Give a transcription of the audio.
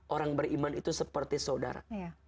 orang beriman itu seperti saudara